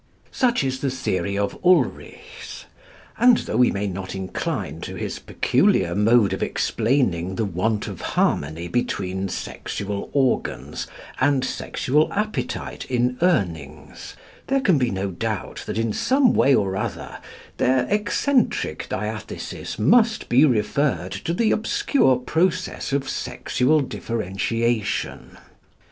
Such is the theory of Ulrichs; and though we may not incline to his peculiar mode of explaining the want of harmony between sexual organs and sexual appetite in Urnings, there can be no doubt that in some way or other their eccentric diathesis must be referred to the obscure process of sexual differentiation.